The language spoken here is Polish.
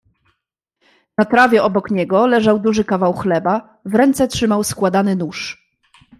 "Na trawie obok niego leżał duży kawał chleba, w ręce trzymał składany nóż."